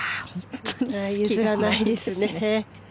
隙がないですね。